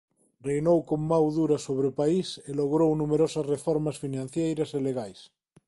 Reinou con man dura sobre o país e logrou numerosas reformas financeiras e legais.